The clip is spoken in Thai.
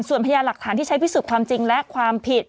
ส่วนพยานหลักฐานที่ใช้พิสูจน์ความจริงและความผิด